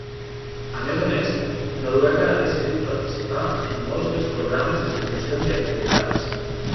A més a més, Noruega ha decidit participar en molts dels programes, institucions i activitats.